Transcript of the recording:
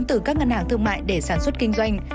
từ các ngân hàng thương mại để sản xuất kinh doanh